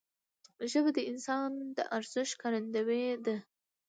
ژبه د انسان د ارزښت ښکارندوی ده